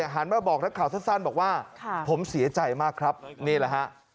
หันมาบอกนักข่าวสั้นบอกว่าผมเสียใจมากครับนี่แหละฮะ